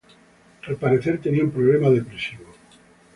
Al parecer, tenía un problema depresivo.